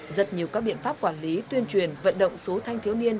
rất nhiều các biện pháp quản lý tuyên truyền vận động số thanh thiếu niên